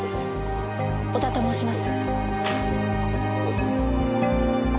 織田と申します。